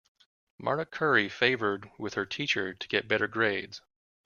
Marta curry favored with her teacher to get better grades.